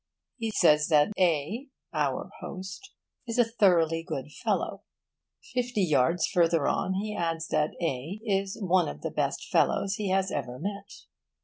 He says that A. (our host) is a thoroughly good fellow. Fifty yards further on, he adds that A. is one of the best fellows he has ever met.